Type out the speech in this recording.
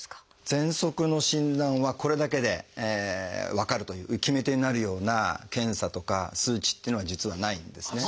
ぜんそくの診断はこれだけで分かるという決め手になるような検査とか数値っていうのは実はないんですね。